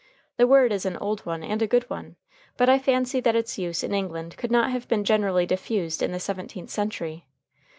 The word is an old one and a good one, but I fancy that its use in England could not have been generally diffused in the seventeenth century.